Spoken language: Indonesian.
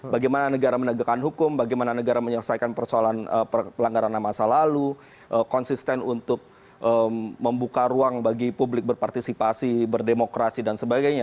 bagaimana negara menegakkan hukum bagaimana negara menyelesaikan persoalan pelanggaran masa lalu konsisten untuk membuka ruang bagi publik berpartisipasi berdemokrasi dan sebagainya